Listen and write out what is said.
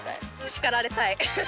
「叱られたい」。